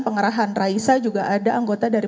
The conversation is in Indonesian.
pengerahan raisa juga ada anggota dari